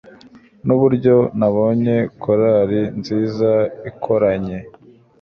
Nuburyo nabonye korari nziza ikoranye